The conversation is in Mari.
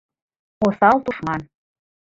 Осал тушман